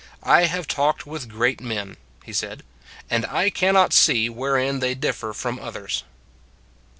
" I have talked with great men," he said, " and I cannot see wherein they differ from others."